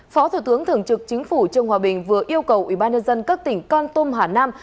phó thủ tướng thường trực chính phủ trương hòa bình vừa yêu cầu ubnd các tỉnh con tum hà nam